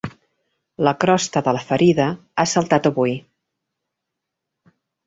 La crosta de la ferida ha saltat avui.